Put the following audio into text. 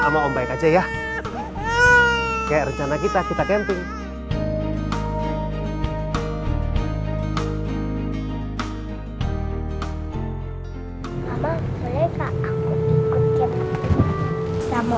sama om baik kecilnya di villa punca